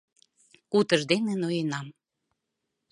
Утыждене ноенам.